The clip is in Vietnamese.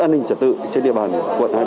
sau đó lựa chọn phyim kiểm tra vlair